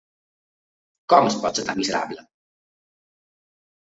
Com es pot ser tan miserable?